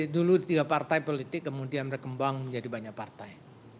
dulu tiga partai politik kemudian berkembang menjadi banyak partai